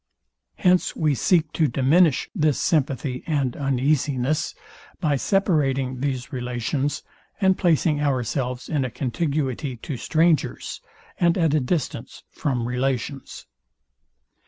Hence we seek to diminish this sympathy and uneasiness by separating these relations, and placing ourselves in a contiguity to strangers, and at a distance from relations.